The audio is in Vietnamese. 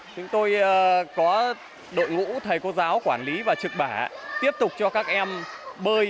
chúng tôi có đội ngũ thầy cô giáo quản lý và trực bả tiếp tục cho các em bơi